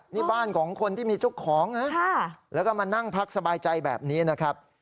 นี่บ้านของคนที่มีเจ้าของนะแล้วก็มานั่งพักสบายใจแบบนี้นะครับ